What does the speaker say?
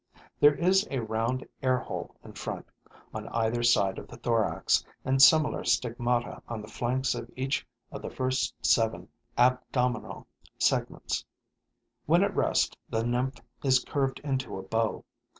There is a round air hole in front, on either side of the thorax, and similar stigmata on the flanks of each of the first seven abdominal segments. When at rest, the nymph is curved into a bow.